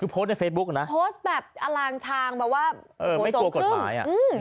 โพสต์แบบอลางชางไม่กลัวกฎหมาย